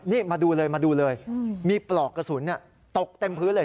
นี่มาดูเลยมาดูเลยมีปลอกกระสุนตกเต็มพื้นเลย